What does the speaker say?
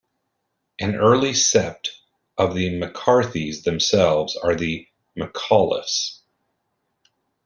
An early sept of the MacCarthys themselves are the MacAuliffes.